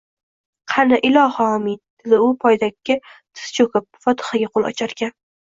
— Qani, ilohi omin, — dedi u poygakka tiz choʼkib, fotihaga qoʼl ocharkan.